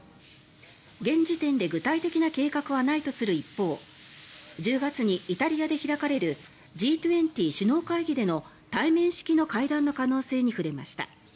現時点で具体的な計画はないとする一方１０月にイタリアで開かれるＧ２０首脳会議での対面式の会談の可能性に触れました。